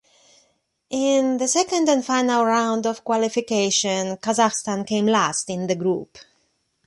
In the second and final round of qualification, Kazakhstan came last in the group.